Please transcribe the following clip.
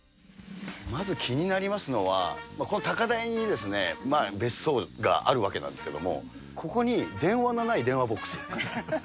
まず気になりますのは、この高台に別荘があるわけなんですけれども、ここに電話のない電話ボックス。